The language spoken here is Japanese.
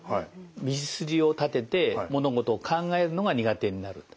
道筋を立てて物事を考えるのが苦手になると。